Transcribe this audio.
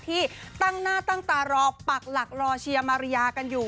ที่ตั้งหน้าตั้งตารอปักหลักรอเชียร์มาริยากันอยู่